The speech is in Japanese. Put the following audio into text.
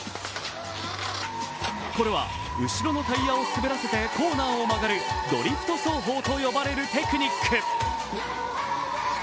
これは後ろのタイヤを滑らせてコーナーを曲がるドリフト走法と呼ばれるテクニック。